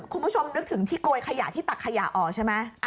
คุณผู้ชมนึกถึงที่โกยขยะที่ตักขยะออกใช่ไหม